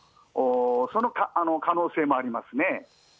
その可能性もありますね。